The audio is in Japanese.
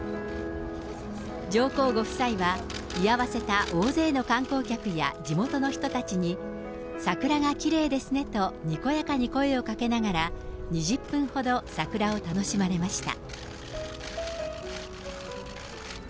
上皇ご夫妻は、居合わせた大勢の観光客や地元の人たちに、桜がきれいですねとにこやかに声をかけながら、２０分ほど桜を楽しまれました。